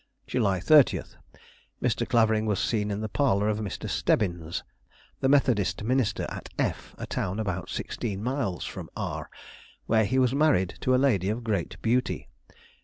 "July 30. Mr. Clavering was seen in the parlor of Mr. Stebbins, the Methodist minister at F , a town about sixteen miles from R , where he was married to a lady of great beauty.